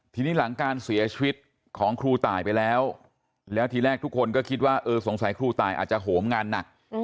ทีนี้หลังการเสียชีวิตของครูตายอาจจะโหมงานหนัก